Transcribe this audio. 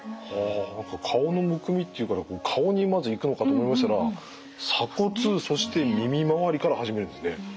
顔のむくみっていうから顔にまずいくのかと思いましたら鎖骨そして耳周りから始めるんですね。